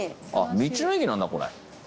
あっ道の駅なんだこれ。